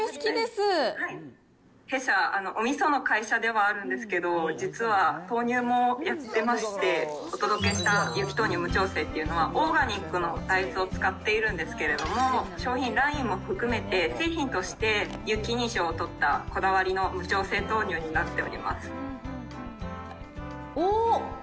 弊社、おみその会社ではあるんですけど、実は、豆乳もやってまして、お届けした有機豆乳無調整っていうのは、オーガニックの大豆を使っているんですけども、商品ラインも含めて、製品として有機認証を取ったこだわりの無調整豆乳になっておりまおー！